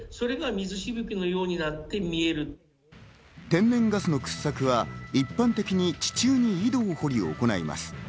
天然ガスの掘削は一般的に地中に井戸を掘り行います。